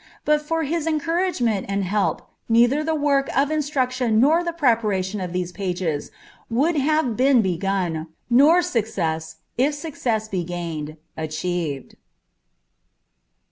But for his encouragement and help neither the work of instruction nor the preparation of these pages would have been begun, nor success, if success be gained, achieved.